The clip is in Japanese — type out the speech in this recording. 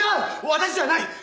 私じゃない。